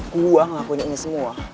gue ngakuin ini semua